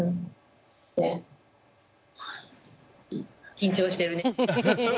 緊張してるね。